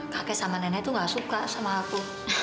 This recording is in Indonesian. kakek sama nenek itu gak suka sama aku